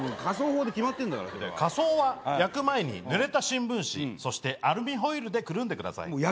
火葬法で決まってるんだから火葬は焼く前にぬれた新聞紙そしてアルミホイルでくるんでください。